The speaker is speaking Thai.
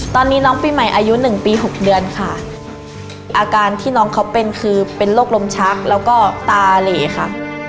ตอนนี้น้องปีใหม่อายุหนึ่งปีหกเดือนค่ะอาการที่น้องเขาเป็นคือเป็นโรคลมชักแล้วก็ตาเหลค่ะ